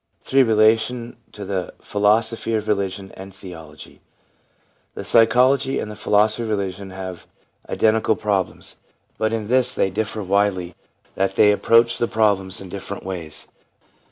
3. Relation to the Philosophy of Religion and Theology, — The psychology and the philosophy of religion have identical problems, but in this they differ widely, that they approach the problems in different ways.